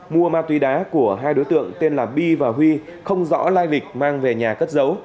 mua ma túy đá của hai đối tượng tên là bi và huy không rõ lai lịch mang về nhà cất giấu